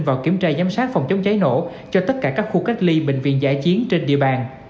vào kiểm tra giám sát phòng chống cháy nổ cho tất cả các khu cách ly bệnh viện giải chiến trên địa bàn